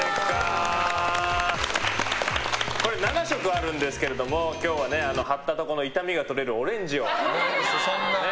これ、７色あるんですけれども今日はね、貼ったところの痛みがとれるオレンジを。